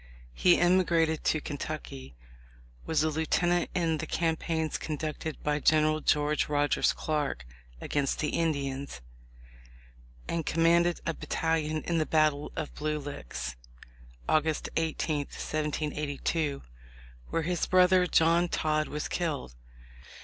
He emigrated to Kentucky, was a lieutenant in the campaigns conducted by General George Rogers Clark against the Indians, and com manded a battalion in the battle of Blue Licks, August 18, 1782, where his brother, John Todd, was killed.